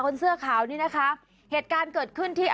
เสื้อขาวนี่นะคะเหตุการณ์เกิดขึ้นที่